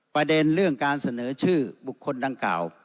ประเด็นเรื่องการเสนอชื่อบุคคลดังกล่าว